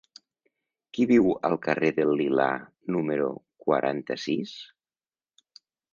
Qui viu al carrer del Lilà número quaranta-sis?